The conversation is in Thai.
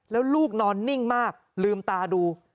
แล้วลูกนอนนิ่งมากลืมตาดู